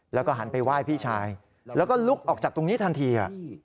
แล้วก็หันไปไหว้พี่ชายแล้วก็ลุกออกจากตรงนี้ทันที